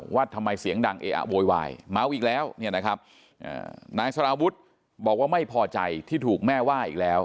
ว่าทำไมเสียงดังเออะโวยวายมาอีกแล้วนายสลาววุฒิบอกว่าไม่พอใจที่ถูกแม่ว่า